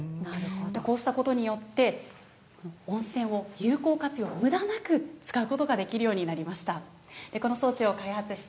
こうしたことによって、温泉を有効活用、むだなく使うことができるようになりました。